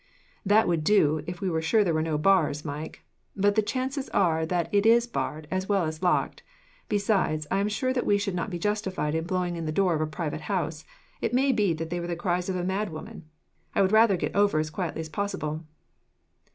"That would do, if we were sure that there were no bars, Mike; but the chances are that it is barred, as well as locked. Besides, I am sure that we should not be justified in blowing in the door of a private house. It may be that they were the cries of a mad woman. I would rather get over as quietly as possible."